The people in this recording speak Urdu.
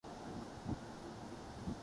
سرحدیں یمن سے ملتی ہیں